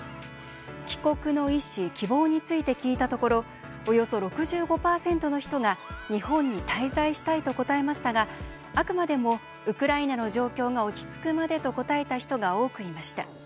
帰国の意思・希望について聞いたところおよそ６５％の人が「日本に滞在したい」と答えましたがあくまでも「ウクライナの状況が落ち着くまで」と答えた人が多くいました。